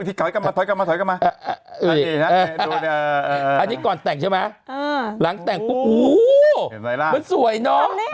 ถ้าเอามือไปวางด้านในข้างเขียน